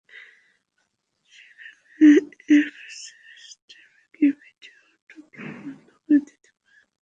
সেখানে অ্যাপ সেটিংসে গিয়ে ভিডিও অটো প্লে বন্ধ করে দিতে পারেন।